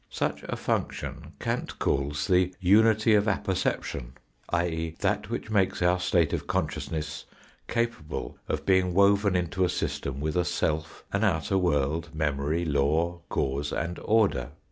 Such a function Kant calls the "Unity of Apperception"; i.e., that which makes our state of consciousness capable of being woven into a system with a self, an outer world, memory, law, cause, and order.